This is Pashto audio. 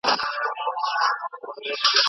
پرېږده جهاني ته د خیالي کاروان سندره دي